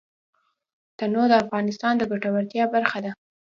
تنوع د افغانانو د ګټورتیا برخه ده.